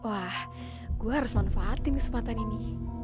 wah gue harus manfaatin kesempatan ini